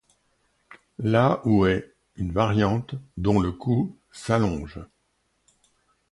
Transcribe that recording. La ou en est une variante, dont le cou s'allonge.